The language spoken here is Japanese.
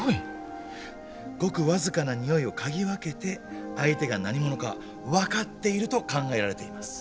ごく僅かな匂いを嗅ぎ分けて相手が何者か分かっていると考えられています。